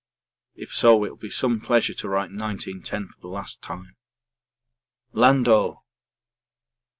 If so, it will be some pleasure to write 1910 for the last time. Land oh!